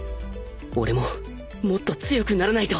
俺ももっと強くならないと！